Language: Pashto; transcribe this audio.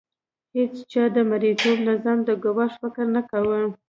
هیڅ چا د مرئیتوب نظام د ګواښ فکر نه کاوه.